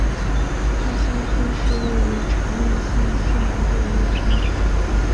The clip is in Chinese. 大桑村是位于长野县西南部的一村。